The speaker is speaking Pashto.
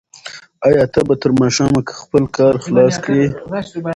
آیا ته به تر ماښامه خپل کار خلاص کړې؟